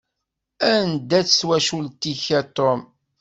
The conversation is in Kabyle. Anda-tt twacult-ik a Tom?